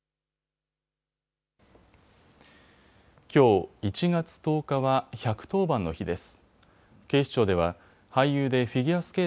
きょう、１月１０日は１１０番の日です。